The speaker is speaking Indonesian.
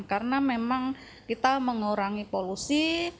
karena memang kita mengurangi polusi